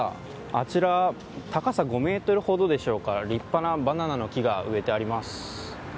あちら、高さ５ｍほどでしょうか立派なバナナの木が植えられています。